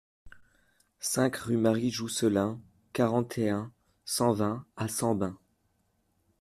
cinq rue Marie Jousselin, quarante et un, cent vingt à Sambin